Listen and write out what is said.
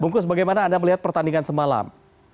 bung kus bagaimana anda melihat pertandingan semalam